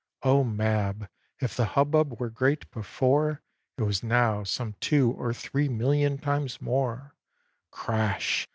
O Mab! if the hubbub were great before, It was now some two or three million times more; Crash!